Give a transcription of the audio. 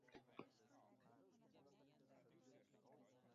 Devorga suyanib oʻtirib qoldim.